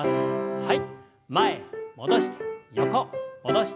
はい。